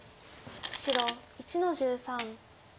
白１の十三。